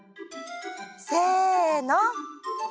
せの！